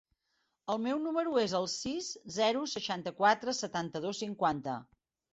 El meu número es el sis, zero, seixanta-quatre, setanta-dos, cinquanta.